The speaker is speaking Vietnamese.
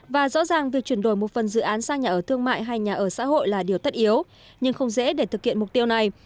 và rõ ràng việc chuyển đổi một phần dự án sang nhà ở thương mại hay nhà ở xã hội là điều tất yếu nhưng không dễ để thực hiện mục tiêu này